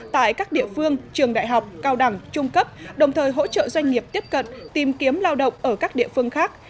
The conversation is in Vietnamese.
tại các địa phương trường đại học cao đẳng trung cấp đồng thời hỗ trợ doanh nghiệp tiếp cận tìm kiếm lao động ở các địa phương khác